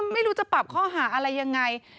ไม่รู้จะปรับข้อหาอะไรยังไง